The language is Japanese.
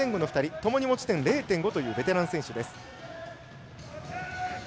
ともに持ち点０．５というベテラン選手です。